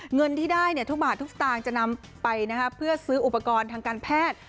เงินที่ได้ทุกบาททุกสตางค์จะนำไปเพื่อซื้ออุปกรณ์ทางการแพทย์